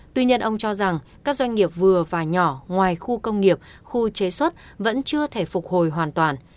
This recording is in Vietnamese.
tuy nhiên ông cho rằng các doanh nghiệp vừa và nhỏ ngoài khu công nghiệp khu chế xuất vẫn chưa thể phục hồi hoàn toàn